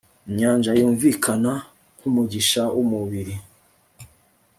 injyana yumvikana nkumugisha wumubiri